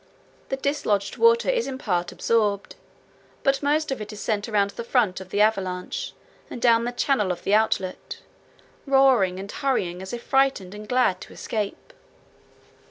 The dislodged water is in part absorbed, but most of it is sent around the front of the avalanche and down the channel of the outlet, roaring and hurrying as if frightened and glad to escape.